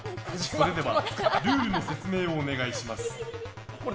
それではルールの説明をお願いします。